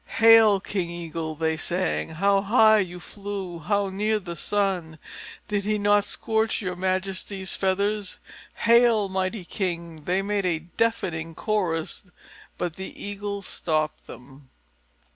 "Hail, King Eagle!" they sang. "How high you flew! How near the sun! Did he not scorch your Majesty's feathers? Hail, mighty king!" and they made a deafening chorus. But the Eagle stopped them.